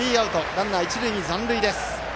ランナー、一塁に残塁です。